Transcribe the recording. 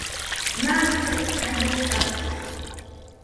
Naɨsomo jaio fate